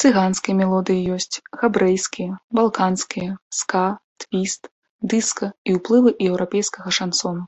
Цыганскія мелодыі ёсць, габрэйскія, балканскія, ска, твіст, дыска і ўплывы еўрапейскага шансону.